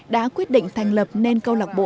đã quyết định thành lập nên câu lạc bộ